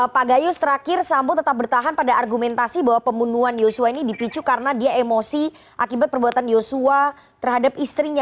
pak gayus terakhir sambo tetap bertahan pada argumentasi bahwa pembunuhan yosua ini dipicu karena dia emosi akibat perbuatan yosua terhadap istrinya